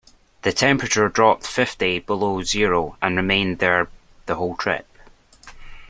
The temperature dropped to fifty below zero and remained there the whole trip.